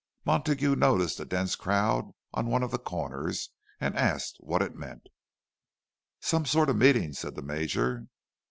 Montague noticed a dense crowd on one of the corners, and asked what it meant. "Some sort of a meeting," said the Major.